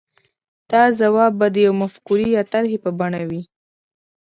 دا ځواک به د يوې مفکورې يا طرحې په بڼه وي.